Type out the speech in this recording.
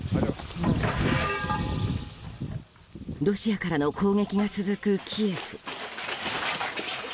ロシアからの攻撃が続くキエフ。